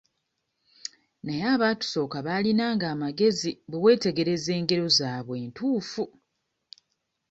Naye abaatusooka balinanga amagezi bwe weetegereza engero zaabwe ntuufu.